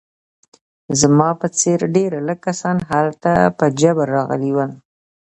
زما په څېر ډېر لږ کسان هلته په جبر راغلي وو